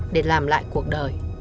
để làm lại cuộc đời